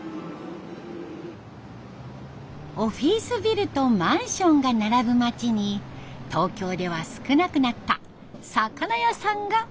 オフィスビルとマンションが並ぶ町に東京では少なくなった魚屋さんがありました。